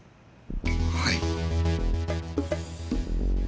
はい。